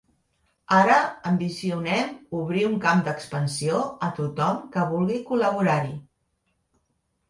Ara ambicionem obrir un camp d'expansió a tothom que vulgui col·laborar-hi.